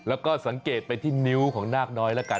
แล้วก็สังเกตไปที่นิ้วของนาคน้อยแล้วกัน